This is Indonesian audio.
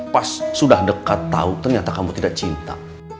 pas sudah deket tau ternyata kamu tidak cinta